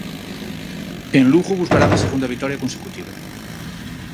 En Lugo buscarán a segunda vitoria consecutiva.